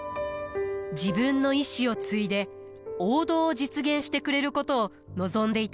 自分の意志を継いで王道を実現してくれることを望んでいたのです。